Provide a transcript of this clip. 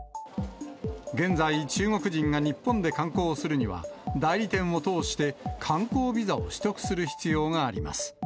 現在、中国人が日本で観光をするには、代理店を通して観光ビザを取得する必要があります。